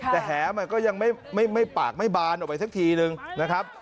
แต่แหมันก็ยังไม่ปากไม่บานออกไปสักทีนึงนะครับ